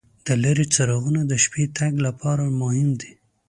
د لارې څراغونه د شپې تګ لپاره مهم دي.